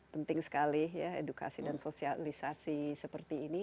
penting sekali ya edukasi dan sosialisasi seperti ini